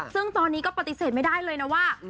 ซึ่งตอนนี้ก็ปฏิเสธไม่ได้เลยนะว่า